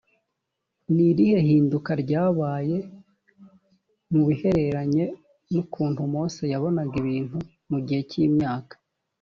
ni irihe hinduka ryabaye mu bihereranye n ukuntu mose yabonaga ibintu mu gihe cy imyaka